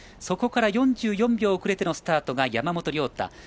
そこから４４秒遅れてのスタートが山本涼太。